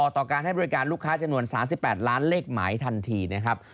ต่อการให้บริการลูกค้าจำนวน๓๘ล้านเลขหมายทันทีนะครับ